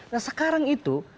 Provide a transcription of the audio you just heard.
nah sekarang itu